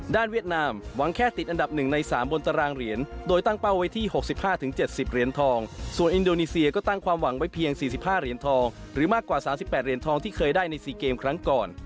เวียดนามหวังแค่ติดอันดับ๑ใน๓บนตารางเหรียญโดยตั้งเป้าไว้ที่๖๕๗๐เหรียญทองส่วนอินโดนีเซียก็ตั้งความหวังไว้เพียง๔๕เหรียญทองหรือมากกว่า๓๘เหรียญทองที่เคยได้ใน๔เกมครั้งก่อน